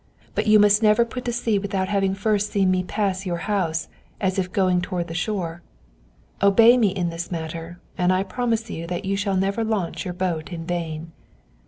But you must never put to sea without having first seen me pass your house, as if going toward the shore. Obey me in this matter, and I promise you that you shall never launch your boat in vain."